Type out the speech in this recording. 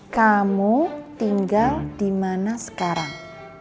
kamu tinggal dimana sekarang